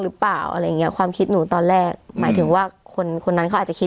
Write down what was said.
หรือเปล่าอะไรอย่างเงี้ยความคิดหนูตอนแรกหมายถึงว่าคนคนนั้นเขาอาจจะคิด